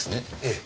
ええ。